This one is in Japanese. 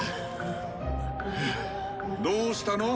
どうしたの？